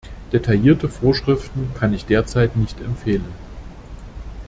Detaillierte Vorschriften kann ich derzeit nicht empfehlen.